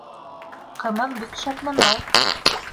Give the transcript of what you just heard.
— Ҡымыҙ бик шәп нәмә ул.